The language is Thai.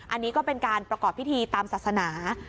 อันนี้ก็เป็นการประกอบพิธีตามศาสนา